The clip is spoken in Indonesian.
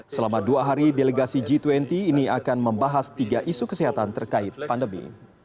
selama dua hari delegasi g dua puluh ini akan membahas tiga isu kesehatan terkait pandemi